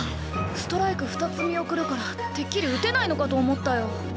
ストライク２つ見送るからてっきり打てないのかと思ったよ。